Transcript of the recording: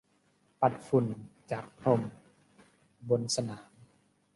ปัดฝุ่นจากพรมบนสนาม